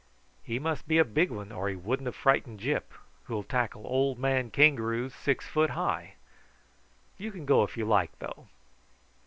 He must be a big one or he wouldn't have frightened Gyp, who'll tackle old man kangaroos six foot high. You can go if you like, though."